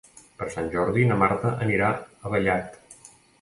Per Sant Jordi na Marta anirà a Vallat.